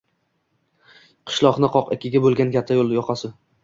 Qishloqni qoq ikkiga bo‘lgan katta yo‘l yoqasi.